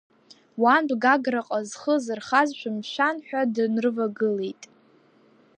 Уантә Гаграҟа зхы зырхаз шәымшәан ҳәа дынрывагылеит.